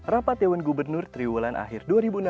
rapat dewan gubernur triwulan akhir dua ribu enam belas